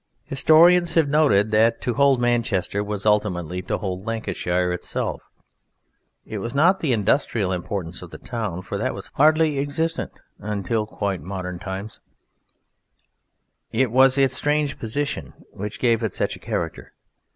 Historians have noted that to hold Manchester was ultimately to hold Lancashire itself. It was not the industrial importance of the town, for that was hardly existent until quite modern times: it was its strategic position which gave it such a character.